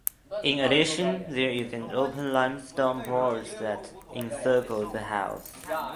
In addition there is an open limestone porch that encircles the house.